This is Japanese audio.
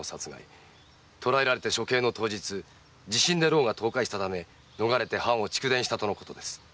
捕らえられて処刑の当日地震で牢が倒壊したため逃れて藩を逐電したとのことです。